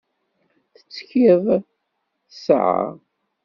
Tettkid tesεa.